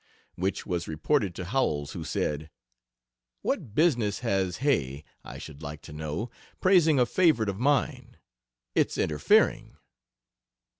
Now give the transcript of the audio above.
Which was reported to Howells, who said: "What business has Hay, I should like to know, praising a favorite of mine? It's interfering."